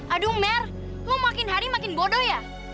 aduh mer lo makin hari makin bodoh ya